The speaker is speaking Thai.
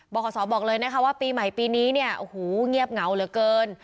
ขอสอบอกเลยนะคะว่าปีใหม่ปีนี้เนี่ยโอ้โหเงียบเหงาเหลือเกิน